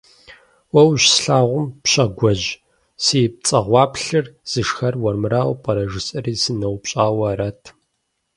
Уэ ущыслъагъум, Пщагуэжь, си пцӀагъуэплъыр зышхар уэрмырауэ пӀэрэ жысӀэри сыноупщӀауэ арат.